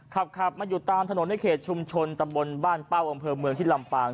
ขับมาอยู่ตามถนนในเขตชุมชนตำบลบ้านเป้าอำเภอเมืองที่ลำปาง